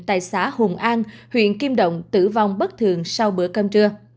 tại xã hùng an huyện kim động tử vong bất thường sau bữa cơm trưa